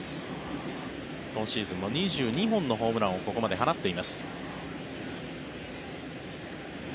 今シーズンも２２本のホームランをここまで放っています。